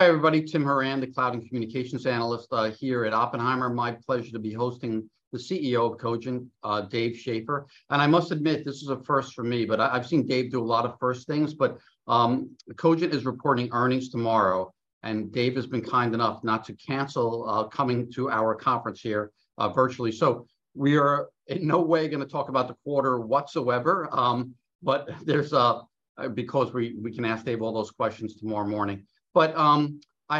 Hi, everybody, Tim Horan, the cloud and communications analyst, here at Oppenheimer. My pleasure to be hosting the CEO of Cogent, Dave Schaeffer. I must admit, this is a first for me, but I've seen Dave do a lot of first things. Cogent is reporting earnings tomorrow, and Dave has been kind enough not to cancel, coming to our conference here, virtually. We are in no way gonna talk about the quarter whatsoever, because we, we can ask Dave all those questions tomorrow morning. I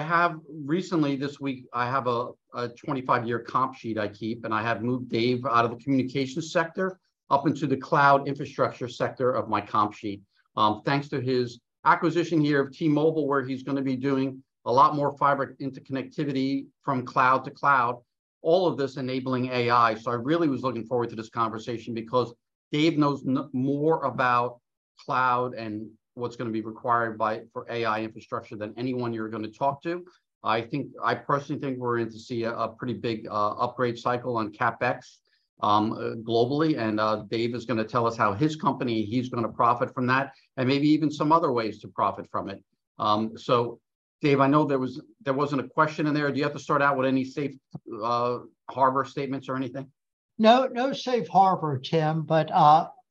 have recently, this week, I have a 25-year comp sheet I keep, and I have moved Dave out of the communications sector up into the cloud infrastructure sector of my comp sheet, thanks to his acquisition here of T-Mobile, where he's gonna be doing a lot more fiber interconnectivity from cloud to cloud, all of this enabling AI. I really was looking forward to this conversation because Dave knows more about cloud and what's gonna be required by it for AI infrastructure than anyone you're gonna talk to. I think, I personally think we're in to see a pretty big upgrade cycle on CapEx globally, and Dave is gonna tell us how his company, he's gonna profit from that, and maybe even some other ways to profit from it. Dave, I know there was. There wasn't a question in there. Do you have to start out with any safe, harbor statements or anything? No, no safe harbor, Tim.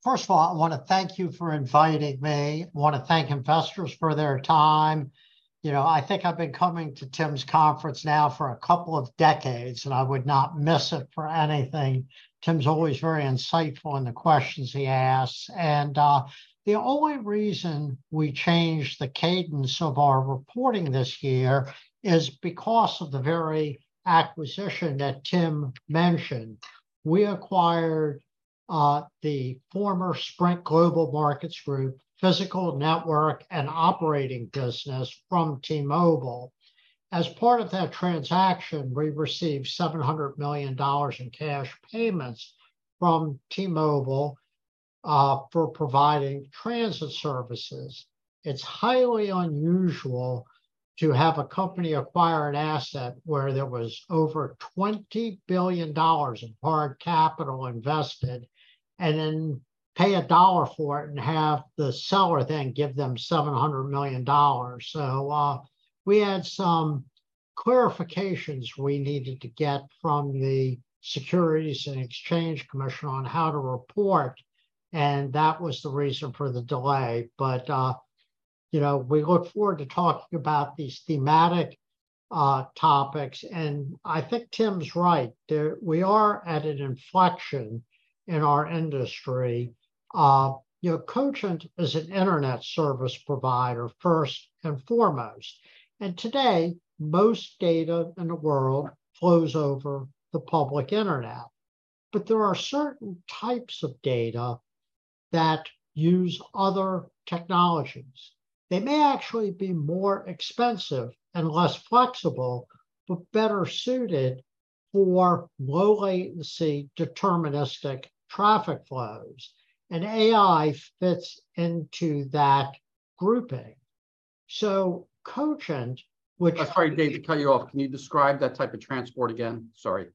First of all, I wanna thank you for inviting me. I wanna thank investors for their time. You know, I think I've been coming to Tim's conference now for a couple of decades, and I would not miss it for anything. Tim's always very insightful in the questions he asks. The only reason we changed the cadence of our reporting this year is because of the very acquisition that Tim mentioned. We acquired the former Sprint Global Markets Group physical network and operating business from T-Mobile. As part of that transaction, we received $700 million in cash payments from T-Mobile for providing transit services. It's highly unusual to have a company acquire an asset where there was over $20 billion of hard capital invested, and then pay $1 for it and have the seller then give them $700 million. We had some clarifications we needed to get from the Securities and Exchange Commission on how to report, and that was the reason for the delay. You know, we look forward to talking about these thematic topics, and I think Tim's right. We are at an inflection in our industry. You know, Cogent is an internet service provider first and foremost, and today, most data in the world flows over the public internet. There are certain types of data that use other technologies. They may actually be more expensive and less flexible, but better suited for low-latency, deterministic traffic flows, and AI fits into that grouping. So Cogent. I'm sorry, Dave, to cut you off. Can you describe that type of transport again? Sorry.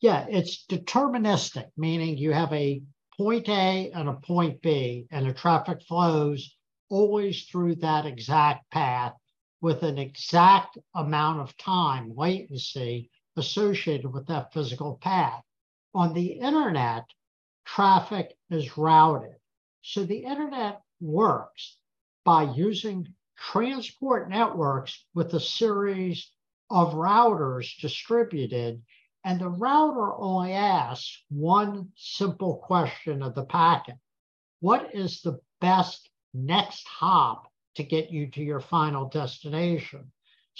Yeah. It's deterministic, meaning you have a point A and a point B, and the traffic flows always through that exact path with an exact amount of time, latency, associated with that physical path. On the Internet, traffic is routed, so the Internet works by using transport networks with a series of routers distributed, and the router only asks one simple question of the packet: "What is the best next hop to get you to your final destination?"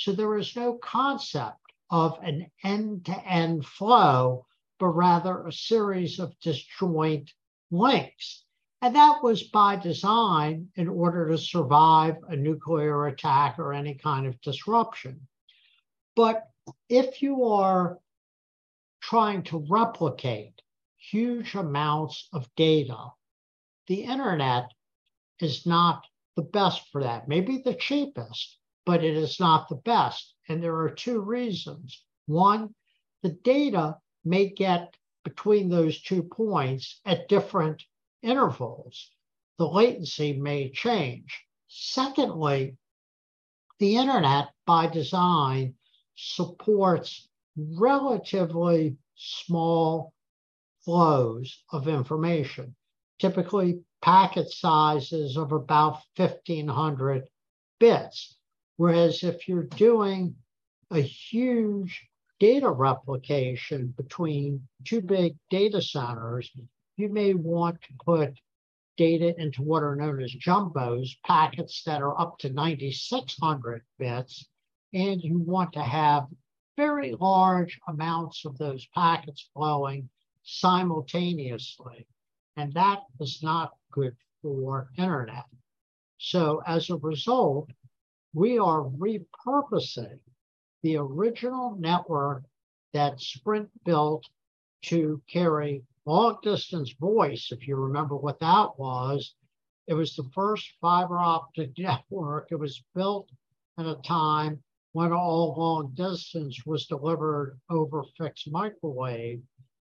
There is no concept of an end-to-end flow, but rather a series of disjoint links, and that was by design, in order to survive a nuclear attack or any kind of disruption. If you are trying to replicate huge amounts of data, the Internet is not the best for that. Maybe the cheapest, but it is not the best, and there are two reasons. One, the data may get between those two points at different intervals. The latency may change. Secondly, the Internet, by design, supports relatively small flows of information, typically packet sizes of about 1,500 bits. Whereas if you're doing a huge data replication between two big data centers, you may want to put data into what are known as jumbos, packets that are up to 9,600 bits, and you want to have very large amounts of those packets flowing simultaneously, and that is not good for Internet. As a result, we are repurposing the original network that Sprint built to carry long-distance voice, if you remember what that was. It was the first fiber optic network. It was built at a time when all long distance was delivered over fixed microwave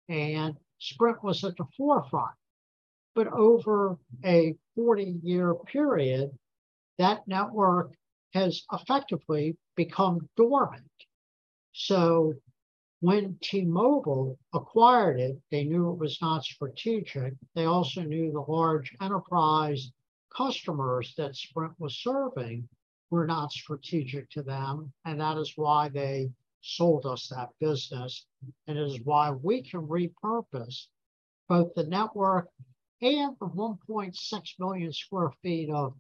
and Sprint was at the forefront. Over a 40-year period, that network has effectively become dormant. When T-Mobile acquired it, they knew it was not strategic. They also knew the large enterprise customers that Sprint was serving were not strategic to them, and that is why they sold us that business, and it is why we can repurpose both the network and the 1.6 million square feet of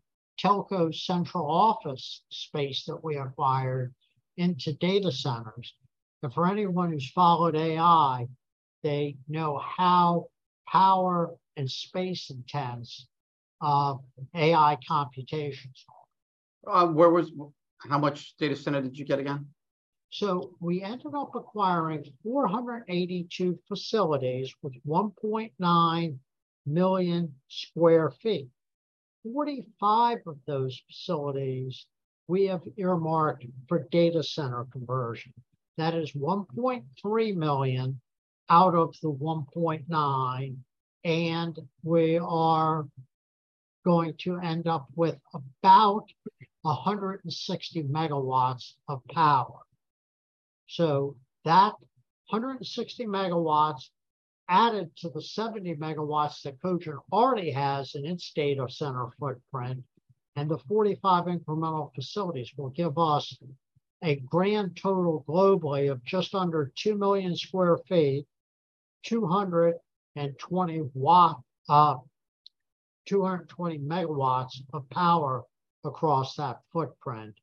telco central office space that we acquired into data centers. For anyone who's followed AI, they know how power and space-intense AI computations are. How much data center did you get again? We ended up acquiring 482 facilities, with 1.9 million sq ft. 45 of those facilities we have earmarked for data center conversion. That is 1.3 million out of the 1.9, and we are going to end up with about 160 megawatts of power. That 160 megawatts added to the 70 megawatts that Cogent already has in its data center footprint, and the 45 incremental facilities will give us a grand total globally of just under two million sq ft, 220 megawatts of power across that footprint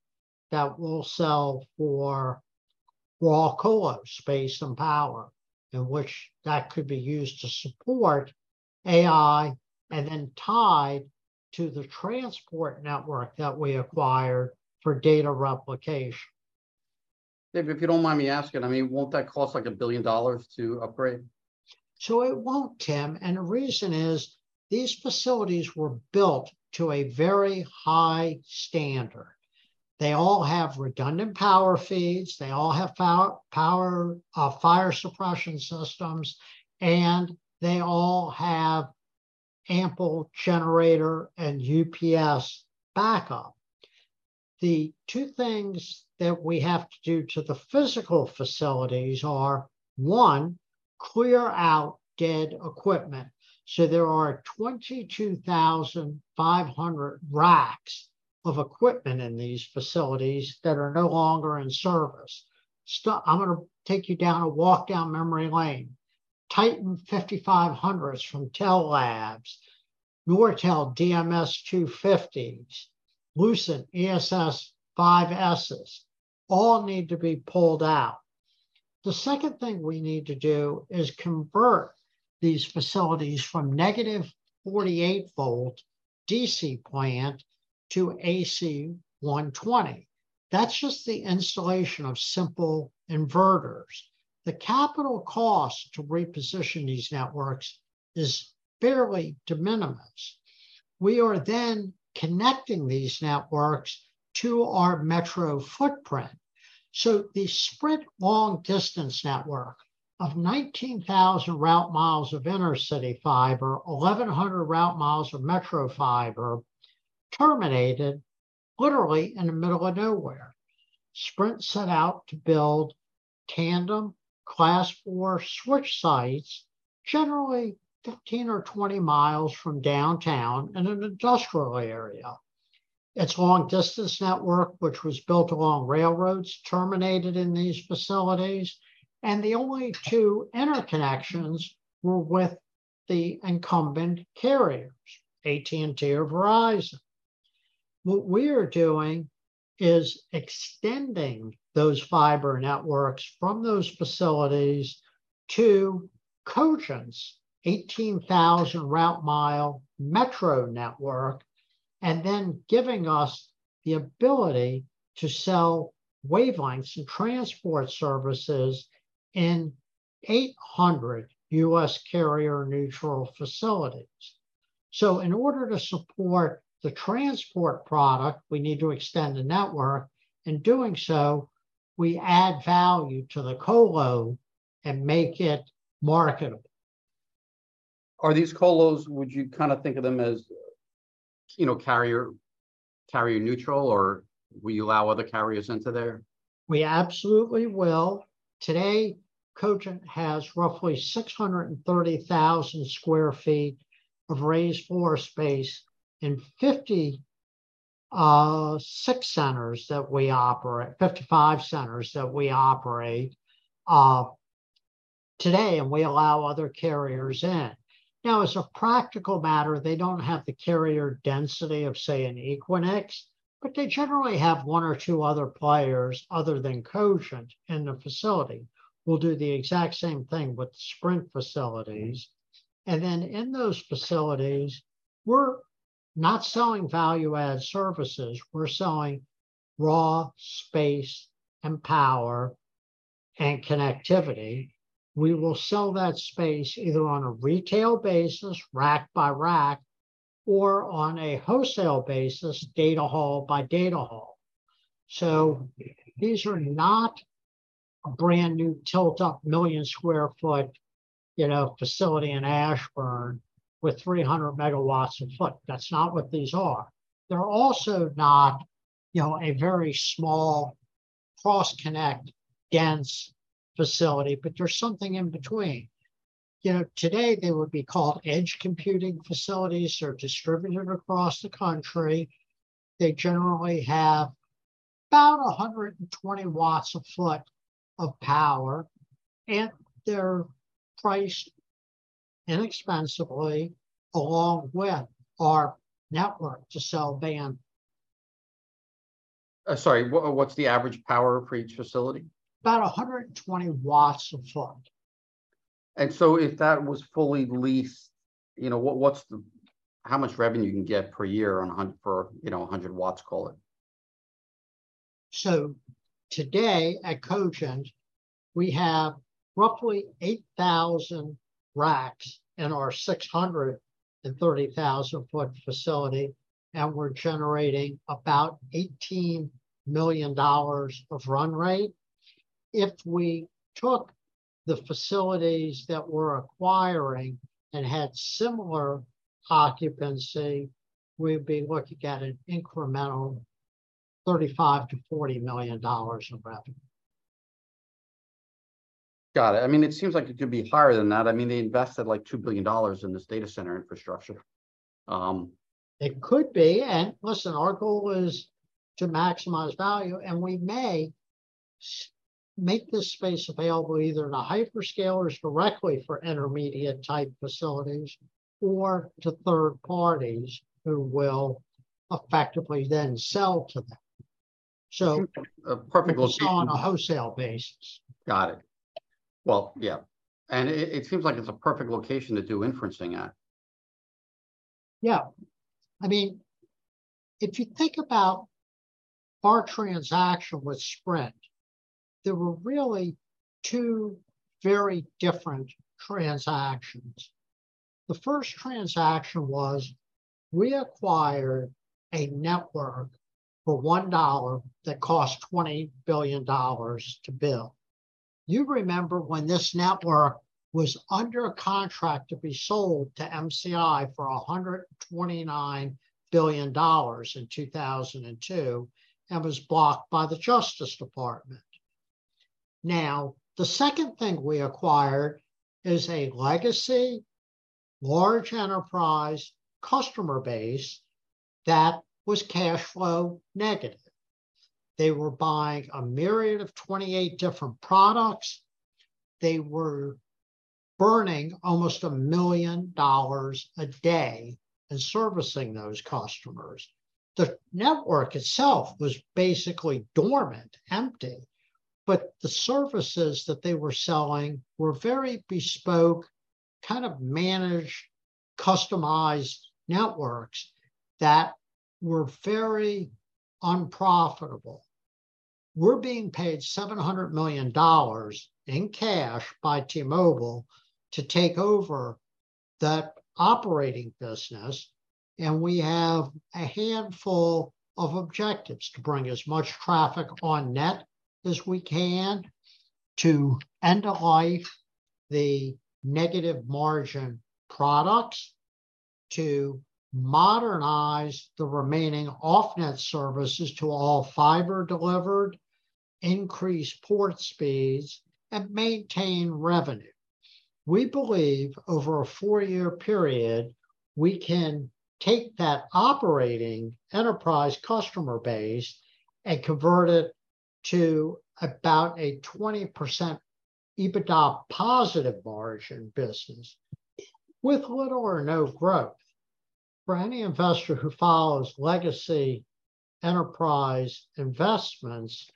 that will sell for raw colo space and power, and which that could be used to support AI, and then tied to the transport network that we acquired for data replication. Dave, if you don't mind me asking, I mean, won't that cost, like, $1 billion to upgrade? It won't, Tim, and the reason is, these facilities were built to a very high standard. They all have redundant power feeds, they all have power, fire suppression systems, and they all have ample generator and UPS backup. The two things that we have to do to the physical facilities are, one, clear out dead equipment. There are 22,500 racks of equipment in these facilities that are no longer in service. I'm gonna take you down a walk down memory lane. Titan 5500s from Tellabs, Nortel DMS-250s, Lucent 5ESSs all need to be pulled out. The second thing we need to do is convert these facilities from negative 48 volt DC plant to AC 120. That's just the installation of simple inverters. The capital cost to reposition these networks is fairly de minimis. We are then connecting these networks to our metro footprint. The Sprint long-distance network of 19,000 route miles of inter-city fiber, 1,100 route miles of metro fiber, terminated literally in the middle of nowhere. Sprint set out to build tandem Class four switch sites, generally 15 or 20 miles from downtown in an industrial area. Its long-distance network, which was built along railroads, terminated in these facilities, and the only two interconnections were with the incumbent carriers, AT&T or Verizon. What we're doing is extending those fiber networks from those facilities to Cogent's 18,000 route mile metro network, and then giving us the ability to sell Wavelengths and transport services in 800 U.S. carrier-neutral facilities. In order to support the transport product, we need to extend the network. In doing so, we add value to the Colo and make it marketable. Are these colos, would you kind of think of them as, you know, carrier, carrier-neutral, or will you allow other carriers into there? We absolutely will. Today, Cogent has roughly 630,000 sq ft of raised floor space in 50, six centers that we operate, 55 centers that we operate today. We allow other carriers in. As a practical matter, they don't have the carrier density of, say, an Equinix, but they generally have one or two other players other than Cogent in the facility. We'll do the exact same thing with the Sprint facilities. Then in those facilities, we're not selling value-add services, we're selling raw space, and power, and connectivity. We will sell that space either on a retail basis, rack by rack or on a wholesale basis, data hall by data hall. These are not a brand-new tilt-up million sq ft, you know, facility in Ashburn with 300 megawatts a foot. That's not what these are. They're also not, you know, a very small cross-connect dense facility, but they're something in between. You know, today they would be called edge computing facilities. They're distributed across the country. They generally have about 120 watts a foot of power, and they're priced inexpensively, along with our network to sell band. Sorry, what, what's the average power for each facility? About 120 watts a foot. If that was fully leased, you know, what, how much revenue you can get per year for, you know, 100 watts, call it? Today at Cogent, we have roughly 8,000 racks in our 630,000 sq ft facility, and we're generating about $18 million of run rate. If we took the facilities that we're acquiring and had similar occupancy, we'd be looking at an incremental $35 million to $40 million of revenue. Got it. I mean, it seems like it could be higher than that. I mean, they invested, like, $2 billion in this data center infrastructure. It could be, and listen, our goal is to maximize value, and we may make this space available either to hyperscalers directly for intermediate-type facilities, or to third parties who will effectively then sell to them. Just on a wholesale basis. Got it. Well, yeah, it seems like it's a perfect location to do inferencing at. Yeah. I mean, if you think about our transaction with Sprint, there were really two very different transactions. The first transaction was we acquired a network for $1 that cost $20 billion to build. You remember when this network was under a contract to be sold to MCI for $129 billion in 2002 and was blocked by the Justice Department. The second thing we acquired is a legacy, large enterprise customer base that was cash flow negative. They were buying a myriad of 28 different products. They were burning almost $1 million a day in servicing those customers. The network itself was basically dormant, empty, but the services that they were selling were very bespoke, kind of managed, customized networks that were very unprofitable. We're being paid $700 million in cash by T-Mobile to take over that operating business, and we have a handful of objectives: to bring as much traffic on net as we can, to end the life the negative margin products, to modernize the remaining off net services to all fiber delivered, increase port speeds, and maintain revenue. We believe over a four year period, we can take that operating enterprise customer base and convert it to about a 20% EBITDA positive margin business with little or no growth. For any investor who follows legacy enterprise investments,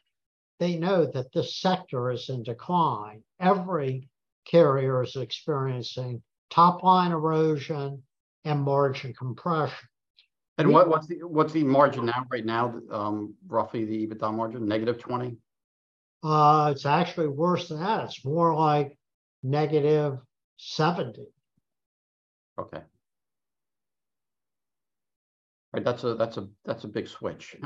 they know that this sector is in decline. Every carrier is experiencing top-line erosion and margin compression. What, what's the, what's the margin now, right now, roughly the EBITDA margin? Negative 20? It's actually worse than that. It's more like negative 70. Okay. Right, that's a big switch.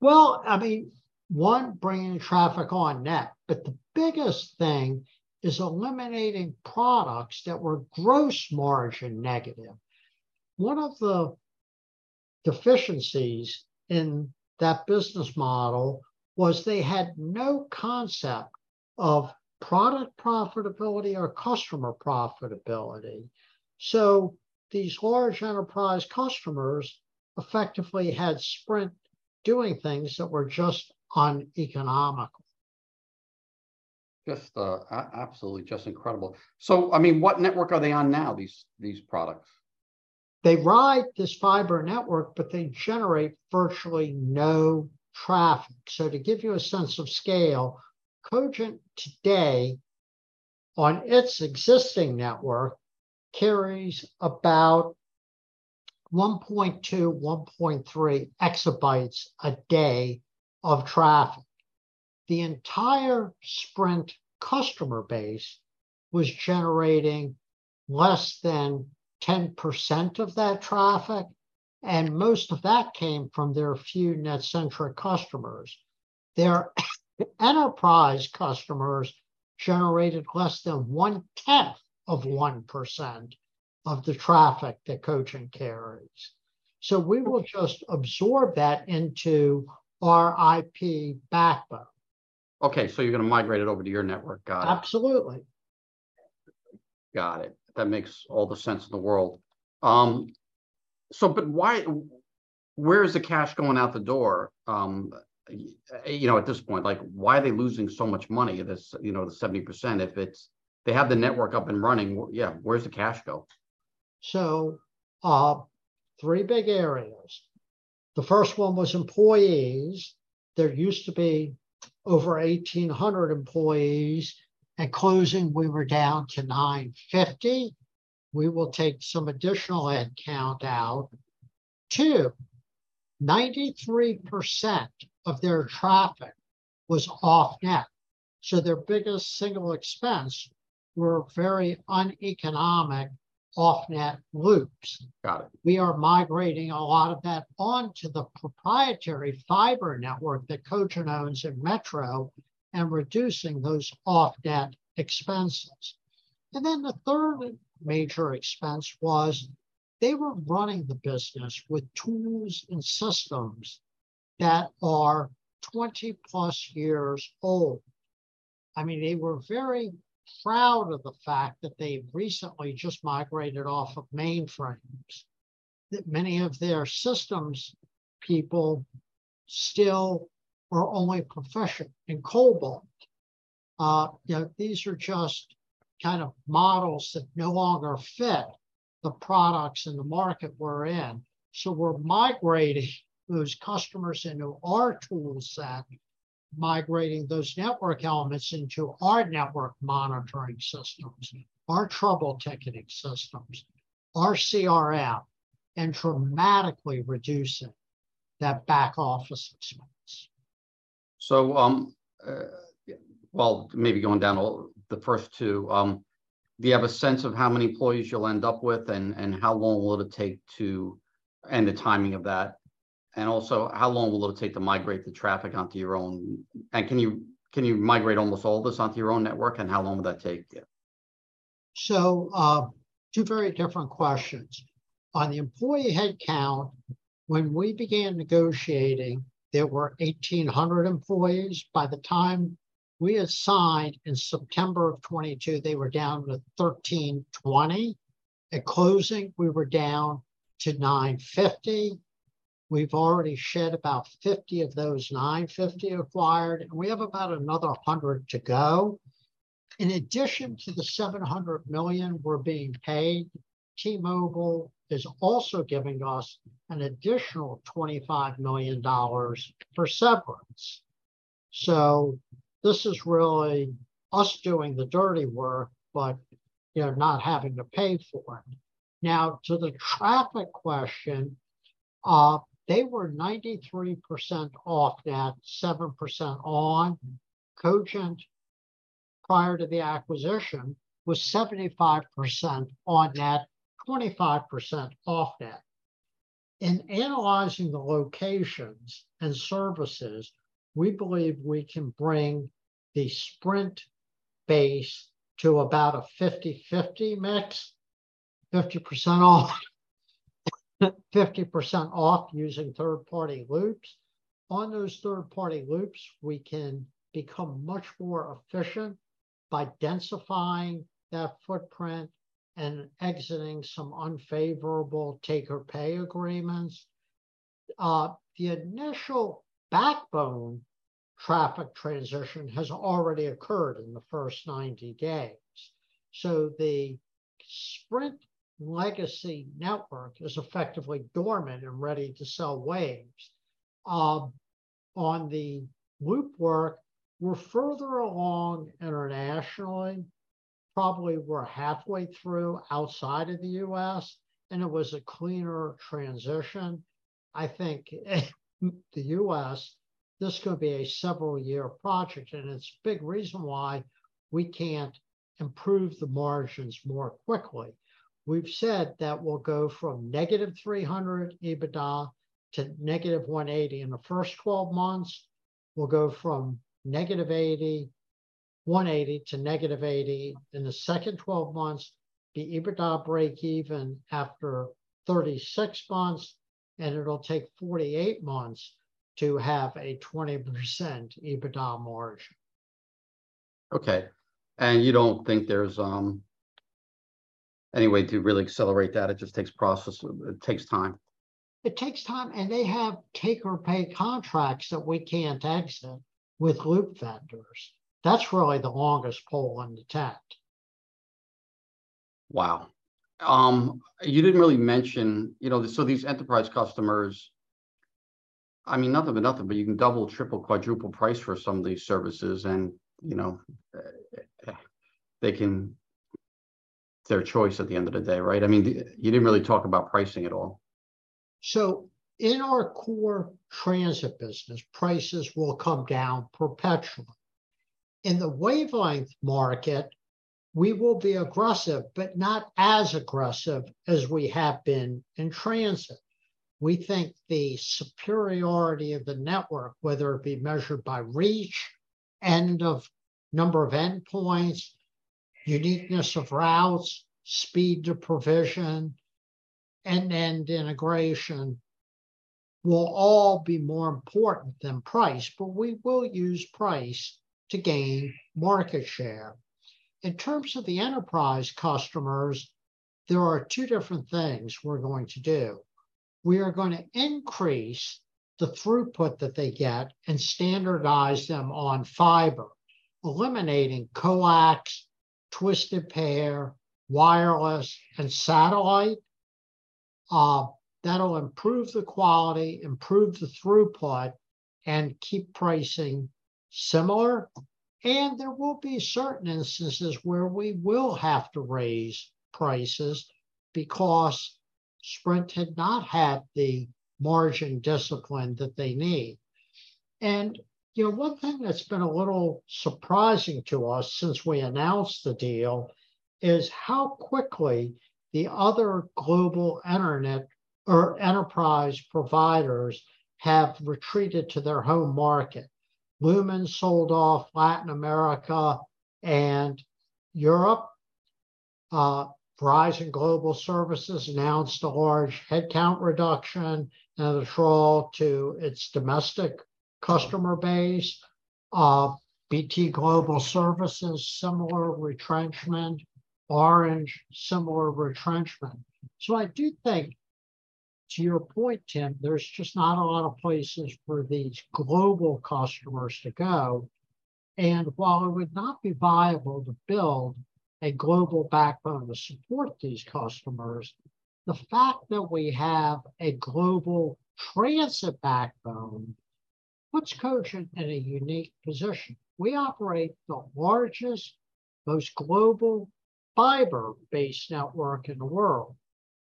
Well, I mean, one, bringing traffic on net, but the biggest thing is eliminating products that were gross margin negative. One of the deficiencies in that business model was they had no concept of product profitability or customer profitability, so these large enterprise customers effectively had Sprint doing things that were just uneconomical. Just absolutely just incredible. I mean, what network are they on now, these, these products? They ride this fiber network, but they generate virtually no traffic. To give you a sense of scale, Cogent today, on its existing network, carries about 1.2, 1.3 exabytes a day of traffic. The entire Sprint customer base was generating less than 10% of that traffic, and most of that came from their few NetCentric customers. Their enterprise customers generated less than one-tenth of 1% of the traffic that Cogent carries. We will just absorb that into our IP backbone. You're gonna migrate it over to your network. Got it. Absolutely. Got it. That makes all the sense in the world. But why, where is the cash going out the door, you know, at this point? Like, why are they losing so much money, this, you know, the 70%, if it's- they have the network up and running, yeah, where does the cash go? Three big areas. The first one was employees. There used to be over 1,800 employees, at closing, we were down to 950. We will take some additional head count out. two. 93% of their traffic was off-net, so their biggest single expense were very uneconomic off-net loops. Got it. We are migrating a lot of that onto the proprietary fiber network that Cogent owns in Metro and reducing those off-net expenses. Then the third major expense was they were running the business with tools and systems that are 20-plus years old. I mean, they were very proud of the fact that they recently just migrated off of mainframes, that many of their systems people still are only proficient in COBOL. You know, these are just kind of models that no longer fit the products and the market we're in. We're migrating those customers into our tool set, migrating those network elements into our network monitoring systems, our trouble ticketing systems, our CRM, and dramatically reducing that back office expense. Well, maybe going down all the first two, do you have a sense of how many employees you'll end up with, and how long will it take and the timing of that? Also, how long will it take to migrate the traffic onto your own? Can you migrate almost all this onto your own network, and how long will that take you? Two very different questions. On the employee headcount, when we began negotiating, there were 1,800 employees. By the time we had signed in September of 2022, they were down to 1,320. At closing, we were down to 950. We've already shed about 50 of those 950 acquired, and we have about another 100 to go. In addition to the $700 million we're being paid, T-Mobile is also giving us an additional $25 million for severance. This is really us doing the dirty work, but, you know, not having to pay for it. To the traffic question, they were 93% off-net, 7% on. Cogent, prior to the acquisition, was 75% on-net, 25% off-net. In analyzing the locations and services, we believe we can bring the Sprint base to about a 50/50 mix, 50% off, 50% off using third-party loops. On those third-party loops, we can become much more efficient by densifying that footprint and exiting some unfavorable take-or-pay agreements. The initial backbone traffic transition has already occurred in the first 90 days, the Sprint legacy network is effectively dormant and ready to sell waves. On the loop work, we're further along internationally. Probably, we're halfway through outside of the U.S., it was a cleaner transition. In the U.S., this is gonna be a several-year project, it's a big reason why we can't improve the margins more quickly. We've said that we'll go from -$300 EBITDA to -$180 in the first 12 months. We'll go from -$80. $180 to -$80 in the second 12 months. The EBITDA break even after 36 months, and it'll take 48 months to have a 20% EBITDA margin. Okay, and you don't think there's any way to really accelerate that? It just takes process, it takes time. It takes time, and they have take-or-pay contracts that we can't exit with loop vendors. That's really the longest pole undetected. Wow! You didn't really mention, you know, so these enterprise customers, I mean, nothing but nothing, but you can double, triple, quadruple price for some of these services and, you know, their choice at the end of the day, right? I mean, the, you didn't really talk about pricing at all. In our core transit business, prices will come down perpetually. In the wavelength market, we will be aggressive, but not as aggressive as we have been in transit. We think the superiority of the network, whether it be measured by reach, end of number of endpoints, uniqueness of routes, speed to provision, end-to-end integration, will all be more important than price, but we will use price to gain market share. In terms of the enterprise customers, there are two different things we're going to do. We are going to increase the throughput that they get and standardize them on fiber, eliminating coax, twisted pair, wireless, and satellite. That'll improve the quality, improve the throughput, and keep pricing similar, and there will be certain instances where we will have to raise prices because Sprint had not had the margin discipline that they need. You know, one thing that's been a little surprising to us since we announced the deal is how quickly the other global internet or enterprise providers have retreated to their home market. Lumen sold off Latin America and Europe. Verizon Global Services announced a large headcount reduction and a draw to its domestic customer base. BT Global Services, similar retrenchment. Orange, similar retrenchment. I do think, to your point, Tim, there's just not a lot of places for these global customers to go, and while it would not be viable to build a global backbone to support these customers, the fact that we have a global transit backbone puts Cogent in a unique position. We operate the largest, most global fiber-based network in the world.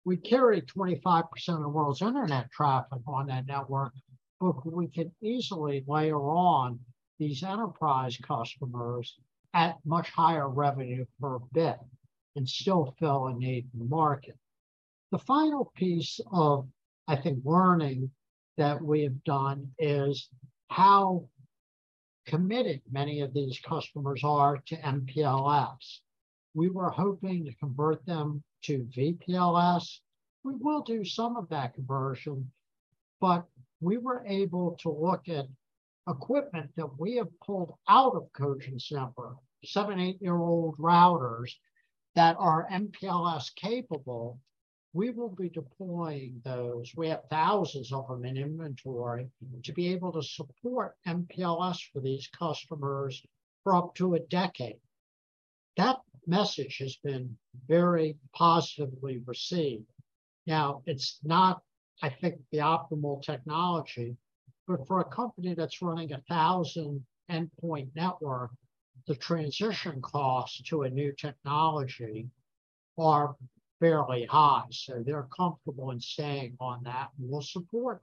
We carry 25% of the world's Internet traffic on that network, but we can easily layer on these enterprise customers at much higher revenue per bit and still fill a need in the market. The final piece of, I think, learning that we've done is how committed many of these customers are to MPLS. We were hoping to convert them to VPLS. We will do some of that conversion, but we were able to look at equipment that we have pulled out of Cogent's, 7, 8-year-old routers that are MPLS-capable. We will be deploying those, we have thousands of them in inventory, to be able to support MPLS for these customers for up to a decade. That message has been very positively received. It's not, I think, the optimal technology, but for a company that's running a 1,000-endpoint network, the transition costs to a new technology are fairly high, so they're comfortable in staying on that, and we'll support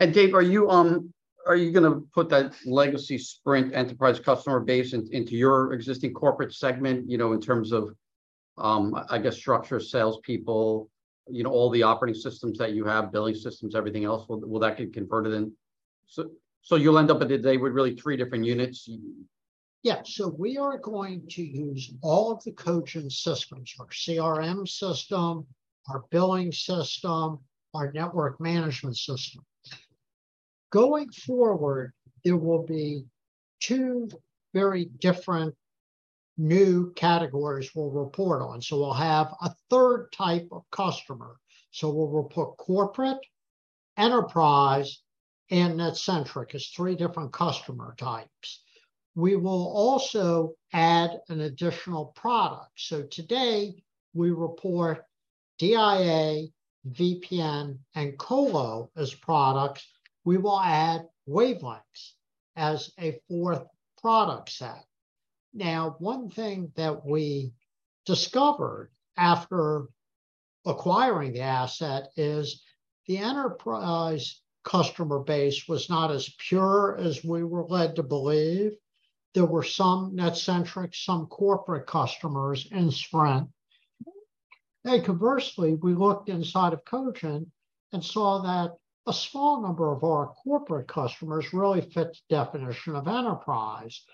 it. Dave, are you, are you gonna put that legacy Sprint enterprise customer base in, into your existing corporate segment, you know, in terms of, I guess, structure, salespeople, you know, all the operating systems that you have, billing systems, everything else, will, will that get converted in? So you'll end up at the day with really three different units? Yeah, we are going to use all of the Cogent systems, our CRM system, our billing system, our network management system. Going forward, there will be two very different new categories we'll report on. We'll have a third type of customer. We'll report corporate, enterprise, and NetCentric as three different customer types. We will also add an additional product. Today, we report DIA, VPN, and Colo as products. We will add Wavelengths as a fourth product set. Now, one thing that we discovered after acquiring the asset is the enterprise customer base was not as pure as we were led to believe. There were some NetCentric, some corporate customers in Sprint. Conversely, we looked inside of Cogent and saw that a small number of our corporate customers really fit the definition of enterprise.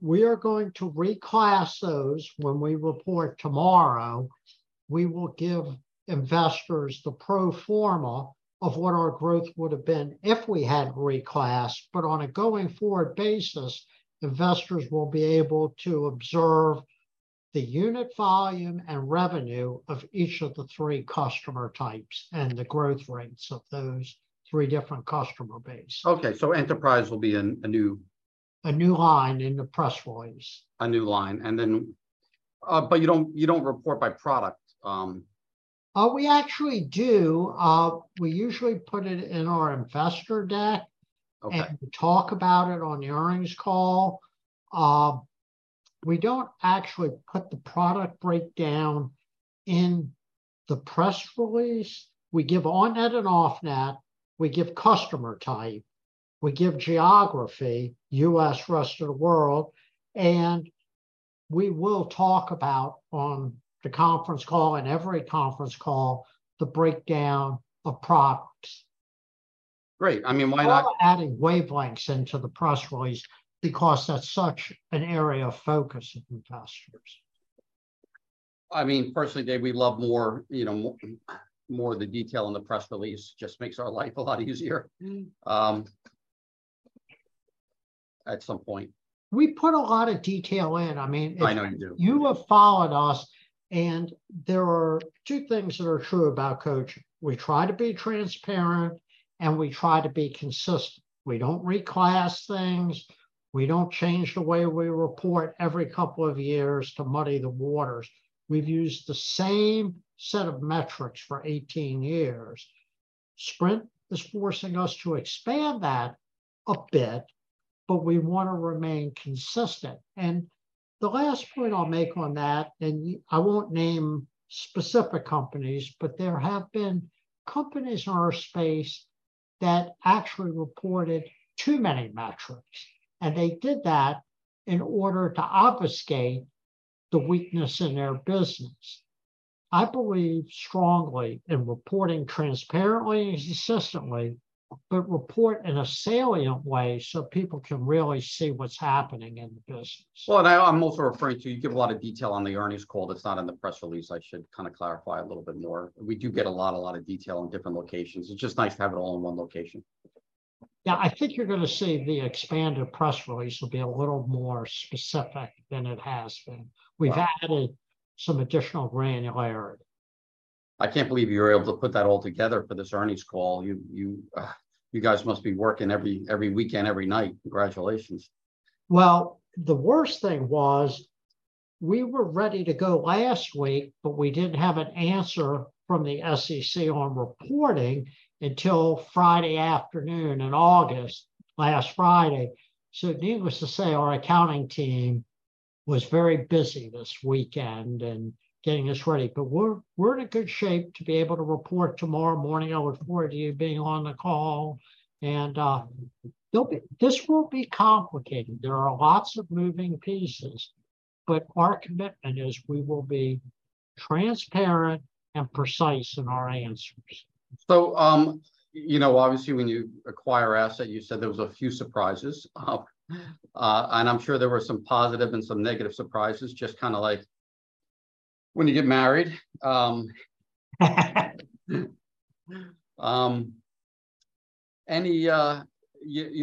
We are going to reclass those when we report tomorrow. We will give investors the pro forma of what our growth would have been if we hadn't reclassed, but on a going-forward basis, investors will be able to observe the unit volume and revenue of each of the three customer types and the growth rates of those three different customer base. Okay, enterprise will be a, a new- A new line in the press release. A new line, and then, but you don't, you don't report by product? We actually do. We usually put it in our investor deck. Okay Talk about it on the earnings call. We don't actually put the product breakdown in the press release. We give on net and off net, we give customer type, we give geography, U.S., rest of the world, and we will talk about on the conference call, in every conference call, the breakdown of products. Great. I mean, why not? We're adding Wavelengths into the press release because that's such an area of focus of investors. I mean, personally, Dave, we love more, you know, more of the detail in the press release. Just makes our life a lot easier. at some point. We put a lot of detail in. I mean. I know you do. You have followed us, and there are two things that are true about Cogent: we try to be transparent, and we try to be consistent. We don't reclass things. We don't change the way we report every couple of years to muddy the waters. We've used the same set of metrics for 18 years. Sprint is forcing us to expand that a bit, but we want to remain consistent. The last point I'll make on that, I won't name specific companies, but there have been companies in our space that actually reported too many metrics, and they did that in order to obfuscate the weakness in their business. I believe strongly in reporting transparently and consistently, report in a salient way so people can really see what's happening in the business. Well, I, I'm also referring to, you give a lot of detail on the earnings call that's not in the press release. I should kind of clarify a little bit more. We do get a lot, a lot of detail on different locations. It's just nice to have it all in one location. Yeah, I think you're gonna see the expanded press release will be a little more specific than it has been. Right. We've added some additional granularity. I can't believe you were able to put that all together for this earnings call. You, you, you guys must be working every, every weekend, every night. Congratulations. Well, the worst thing was we were ready to go last week, but we didn't have an answer from the SEC on reporting until Friday afternoon in August, last Friday. Needless to say, our accounting team was very busy this weekend and getting us ready. We're, we're in a good shape to be able to report tomorrow morning. I look forward to you being on the call. This will be complicated. There are lots of moving pieces, but our commitment is we will be transparent and precise in our answers. You know, obviously, when you acquire assets, you said there was a few surprises. I'm sure there were some positive and some negative surprises, just kind of like when you get married. Any, you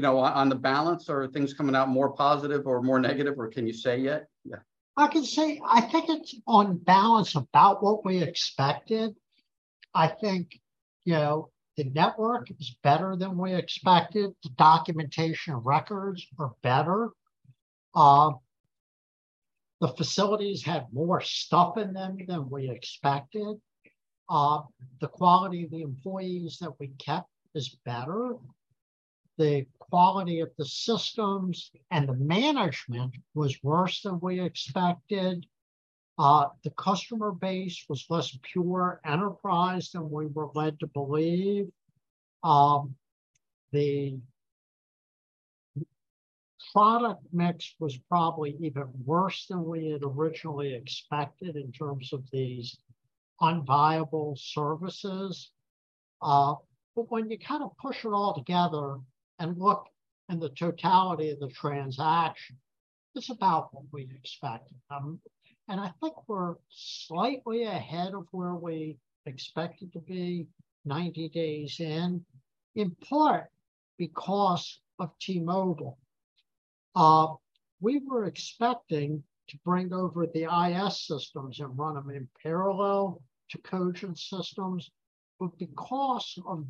know, on the balance, are things coming out more positive or more negative, or can you say yet? Yeah. I can say, I think it's on balance about what we expected. I think, you know, the network is better than we expected. The documentation records are better. The facilities had more stuff in them than we expected. The quality of the employees that we kept is better. The quality of the systems and the management was worse than we expected. The customer base was less pure enterprise than we were led to believe. The product mix was probably even worse than we had originally expected in terms of these unviable services. When you kind of push it all together and look in the totality of the transaction, it's about what we expected. I think we're slightly ahead of where we expected to be 90 days in, in part because of T-Mobile. We were expecting to bring over the IS systems and run them in parallel to Cogent systems. Because of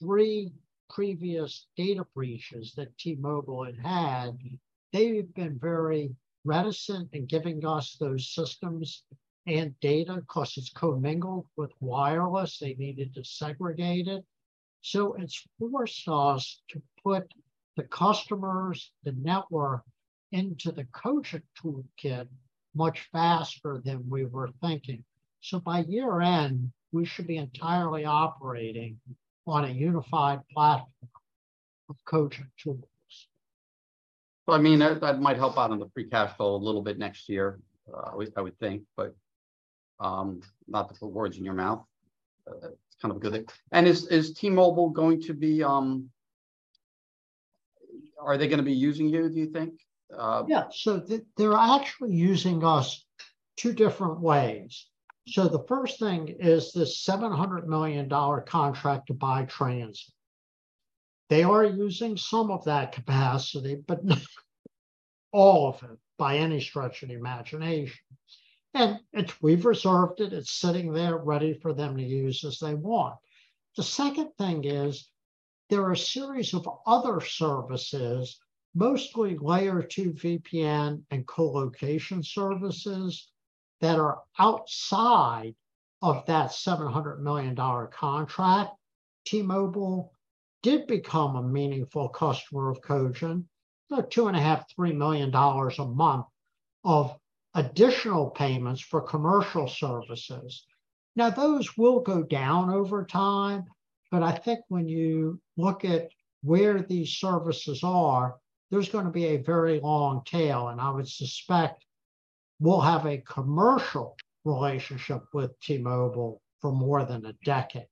3 previous data breaches that T-Mobile had had, they've been very reticent in giving us those systems and data, 'cause it's commingled with wireless. They needed to segregate it. It's forced us to put the customers, the network, into the Cogent toolkit much faster than we were thinking. By year-end, we should be entirely operating on a unified platform of Cogent tools. Well, I mean, that, that might help out on the free cash flow a little bit next year, at least I would think, but not to put words in your mouth, it's kind of a good thing. Is, is T-Mobile going to be, are they gonna be using you, do you think? Yeah, they're actually using us two different ways. The first thing is this $700 million contract to buy transit. They are using some of that capacity, but not all of it, by any stretch of the imagination. It's, we've reserved it, it's sitting there ready for them to use as they want. The second thing is, there are a series of other services, mostly Layer two VPN and colocation services, that are outside of that $700 million contract. T-Mobile did become a meaningful customer of Cogent, about $2.5 million-$3 million a month of additional payments for commercial services. Now, those will go down over time, but I think when you look at where these services are, there's gonna be a very long tail, and I would suspect we'll have a commercial relationship with T-Mobile for more than a decade.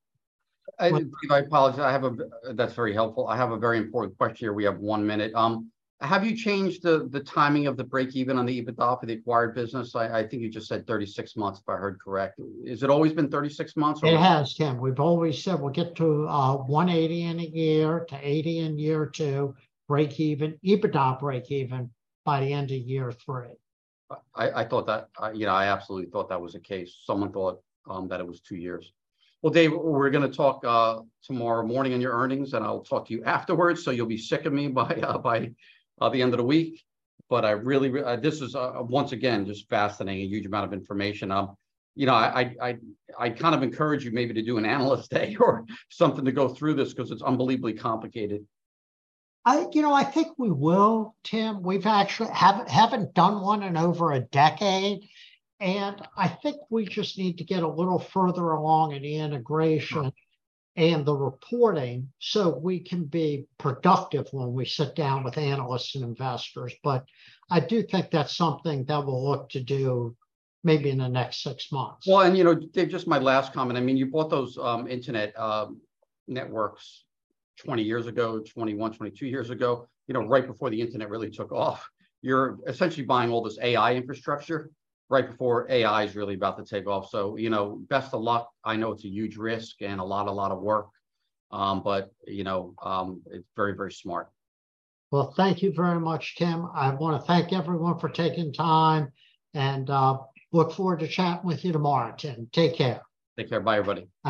I apologize, that's very helpful. I have a very important question here. We have 1 minute. Have you changed the, the timing of the break even on the EBITDA for the acquired business? I, I think you just said 36 months, if I heard correct. Is it always been 36 months, or? It has, Tim. We've always said we'll get to, $180 in year to $80 in year two, break even, EBITDA break even, by the end of year three. I thought that. You know, I absolutely thought that was the case. Someone thought that it was two years. Dave, we're gonna talk tomorrow morning on your earnings, and I'll talk to you afterwards, so you'll be sick of me by the end of the week. I really this is once again just fascinating, a huge amount of information. You know, I kind of encourage you maybe to do an analyst day or something to go through this, 'cause it's unbelievably complicated. You know, I think we will, Tim. We've actually haven't done one in over a decade. I think we just need to get a little further along in the integration and the reporting, so we can be productive when we sit down with analysts and investors. I do think that's something that we'll look to do maybe in the next six months. Well, you know, Dave, just my last comment, I mean, you bought those, internet, networks 20 years ago, 21, 22 years ago, you know, right before the internet really took off. You're essentially buying all this AI infrastructure right before AI is really about to take off. You know, best of luck. I know it's a huge risk and a lot, a lot of work, but, you know, it's very, very smart. Well, thank you very much, Tim. I wanna thank everyone for taking time, and look forward to chatting with you tomorrow, Tim. Take care. Take care. Bye, everybody.